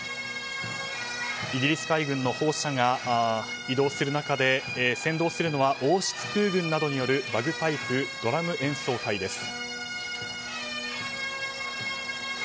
イギリス海軍の砲車が移動する中で先導するのは王室空軍などによるバグパイプドラム演奏隊です。